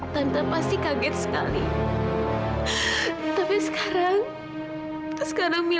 tante bisa menjual warna coral